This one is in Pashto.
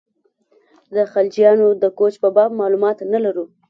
د خلجیانو د کوچ په باب معلومات نه لرو.